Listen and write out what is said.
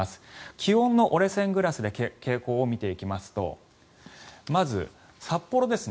気温の折れ線グラフで傾向を見ていきますとまず、札幌ですね